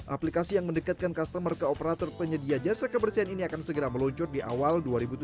aplikasi yang mendekatkan customer ke operator penyedia jasa kebersihan ini akan segera meluncur di awal dua ribu tujuh belas